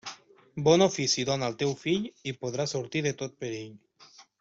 Bon ofici dóna al teu fill i podrà sortir de tot perill.